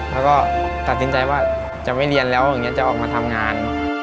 แล้วก็ตัดสินใจว่าจะไม่เรียนแล้วอย่างนี้จะออกมาทำงาน